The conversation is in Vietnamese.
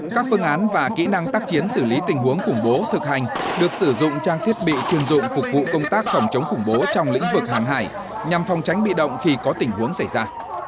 các phương án và kỹ năng tác chiến xử lý tình huống khủng bố thực hành được sử dụng trang thiết bị chuyên dụng phục vụ công tác phòng chống khủng bố trong lĩnh vực hàng hải nhằm phòng tránh bị động khi có tình huống xảy ra